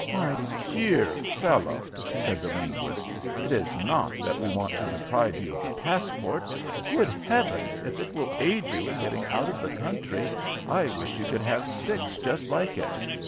"My dear fellow," said the linguist, "it is not that we want to deprive you of the passport. Good Heavens! if it will aid you in getting out of the country, I wish you could have six just like it.